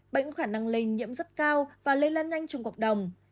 bệnh khả năng lây nhiễm rất cao và lây lan nhanh trong cộng đồng